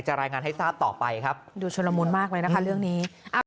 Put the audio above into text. รายงานให้ทราบต่อไปครับดูชุลมุนมากเลยนะคะเรื่องนี้